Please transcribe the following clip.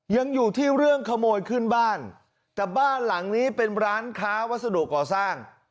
ยังอยู่ที่เรื่องขโมยขึ้นบ้านแต่บ้านหลังนี้เป็นร้านค้าวัสดุก่อสร้าง